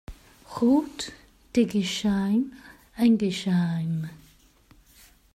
Route d'Éguisheim, Ingersheim